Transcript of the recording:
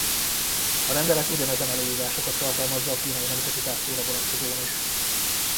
A rendelet ugyanezen előírásokat tartalmazza a kínai nemzeti zászlóra vonatkozóan is.